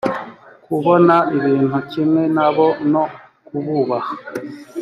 kubona ibintu kimwe na bo no kububaha